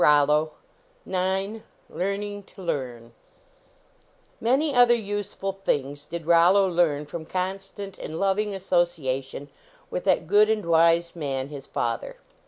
116 ROLLO LEARNING TO LEARN IX ANY other useful things did Rollo learn from con stant and loving associa tion with that good and wise man, his father.